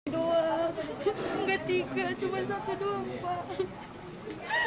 dua enggak tiga cuma satu doang pak